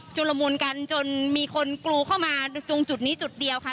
ละมุนกันจนมีคนกรูเข้ามาตรงจุดนี้จุดเดียวค่ะ